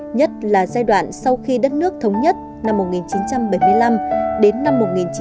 nhất là giai đoạn sau khi đất nước thống nhất năm một nghìn chín trăm bảy mươi năm đến năm một nghìn chín trăm bảy mươi năm